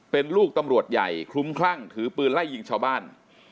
เป็นลูกตำรวจใหญ่คลุ้มคลั่งถือปืนไล่ยิงชาวบ้าน